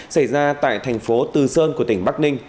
xảy ra tại thành phố từ sơn của tỉnh bắc ninh